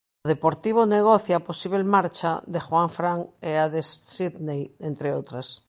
O Deportivo negocia a posíbel marcha de Juanfran e a de Sidnei, entre outras.